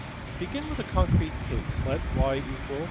Begin with a concrete case. Let $y = x^5$.